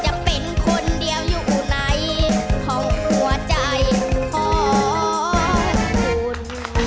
จะเป็นคนเดียวอยู่ในห้องหัวใจของคุณ